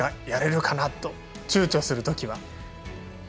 やれるかなとちゅうちょするときは。